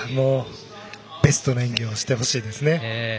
ベストの演技をしてほしいですね。